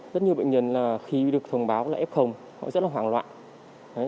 rất nhiều bệnh nhân là khi được thông báo là f họ rất là hoảng loạn